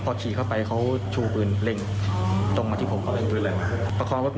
พอฉีดเข้าไปให้ใกล้เขาก็เร่งปืนมาผมก็เลยคว่ำรถลง